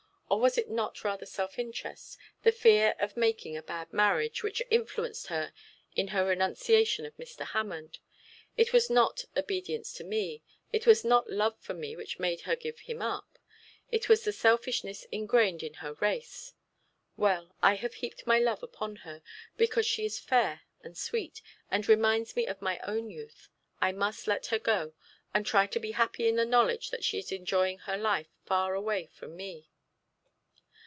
Or was it not rather self interest, the fear of making a bad marriage, which influenced her in her renunciation of Mr. Hammond. It was not obedience to me, it was not love for me which made her give him up. It was the selfishness engrained in her race. Well, I have heaped my love upon her, because she is fair and sweet, and reminds me of my own youth. I must let her go, and try to be happy in the knowledge that she is enjoying her life far away from me.'